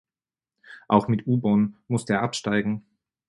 Auch mit Ubon musste er absteigen.